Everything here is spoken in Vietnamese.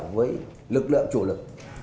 với lực lượng chủ lực